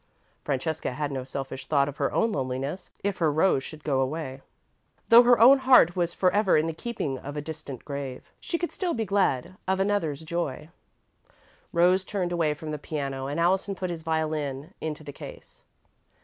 Francesca had no selfish thought of her own loneliness, if her Rose should go away. Though her own heart was forever in the keeping of a distant grave, she could still be glad of another's joy. Rose turned away from the piano and Allison put his violin into the case.